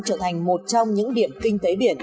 trở thành một trong những điểm kinh tế biển